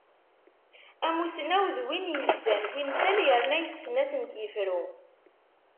Amusnaw d win yegzan timsal yerna yessen ad atent-yefru.